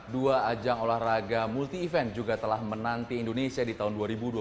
dua ajang olahraga multi event juga telah menanti indonesia di tahun dua ribu dua puluh empat